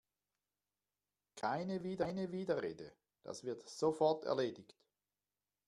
Keine Widerrede, das wird sofort erledigt!